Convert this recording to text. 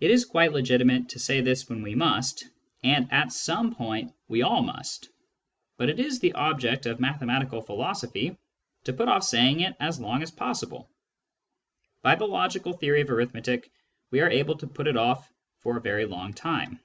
It is quite legitimate to say this when we must, and at some point we all must ; but it is the object of mathematical philosophy to put off saying it as long as possible. By the logical theory of arithmetic we are able to put it off for a very long time.